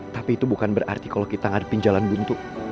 tapi itu bukan berarti kalau kita ngadepin jalan buntu